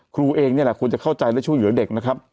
ครูเองนี่แหละควรจะเข้าใจและช่วยเหลือเด็กนะครับ